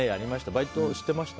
バイトしてました？